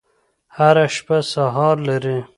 هره شپه سهار لري.